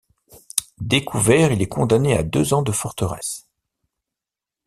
Découvert, il est condamné à deux ans de forteresse.